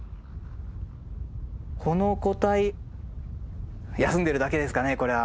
この個体休んでるだけですかねこれは。